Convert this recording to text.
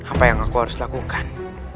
apa yang aku harus lakukan